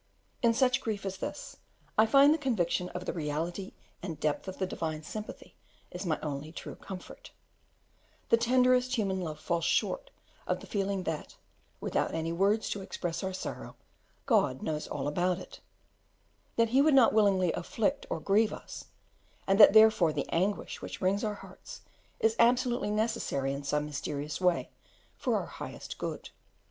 In such a grief as this I find the conviction of the reality and depth of the Divine sympathy is my only true comfort; the tenderest human love falls short of the feeling that, without any words to express our sorrow, God knows all about it; that He would not willingly afflict or grieve us, and that therefore the anguish which wrings our hearts is absolutely necessary in some mysterious way for our highest good.